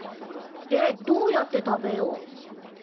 でどうやって食べよう？